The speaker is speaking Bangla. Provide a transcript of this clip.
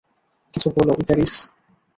কিছু বলো, ইকারিস।